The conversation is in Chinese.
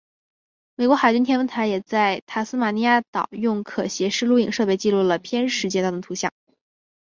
美国海军天文台也在塔斯马尼亚岛用可携式录影设备记录了偏食阶段的图像。